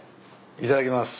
いただきます。